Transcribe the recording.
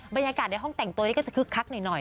บรรยากาศในห้องแต่งตัวนี้ก็จะคึกคักหน่อย